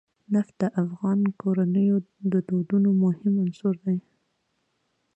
نفت د افغان کورنیو د دودونو مهم عنصر دی.